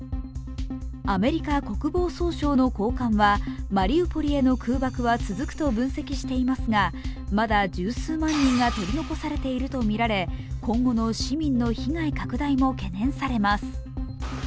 アメリカ国防総省の高官はマリウポリへの空爆は続くと分析していますが、まだ十数万人が取り残されているとみられ今後の市民の被害拡大も懸念されます。